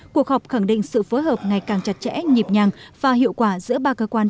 cuộc họp khẳng định sự phối hợp ngày càng chặt chẽ nhịp nhàng và hiệu quả giữa ba cơ quan